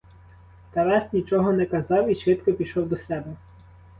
Тарас нічого не казав і швидко пішов до себе.